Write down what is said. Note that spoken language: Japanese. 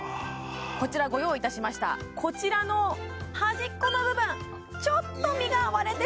こちらご用意いたしましたこちらの端っこの部分ちょっと身が割れてしまってるんです